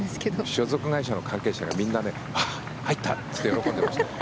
所属会社の関係者がみんな入ったって喜んでましたよ。